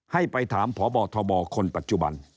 ให้ไปถามพบทบคนปัจจุบัน